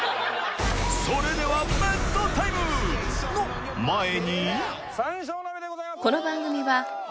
それではベットタイムの前に。